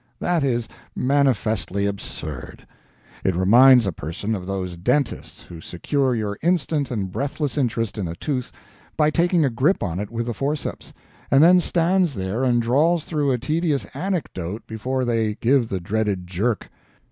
That is manifestly absurd. It reminds a person of those dentists who secure your instant and breathless interest in a tooth by taking a grip on it with the forceps, and then stand there and drawl through a tedious anecdote before they give the dreaded jerk.